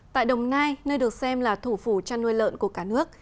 tại đồng nai nơi được xem là thủ phủ chăn nuôi lợn của cả nước